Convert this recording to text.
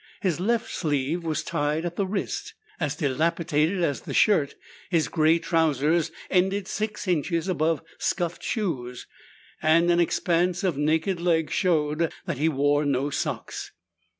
His left sleeve was tied at the wrist. As dilapidated as the shirt, his gray trousers ended six inches above scuffed shoes, and an expanse of naked leg showed that he wore no socks.